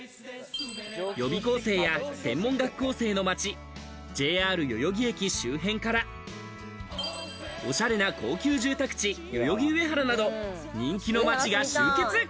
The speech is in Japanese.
予備校生や専門学校生の街、ＪＲ代々木駅周辺からおしゃれな高級住宅地、代々木上原など人気の街が集結。